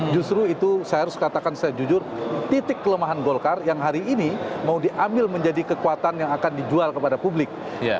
justru itu saya harus katakan secara jujur titik kelemahan golkar yang hari ini mau diambil menjadi kekuatan yang akan dijual kepada publik